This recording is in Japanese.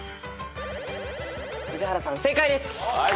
宇治原さん正解です。